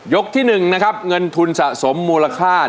ยกที่หนึ่งนะครับเงินทุนสะสมมูลค่า